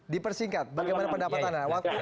di persingkat bagaimana pendapatan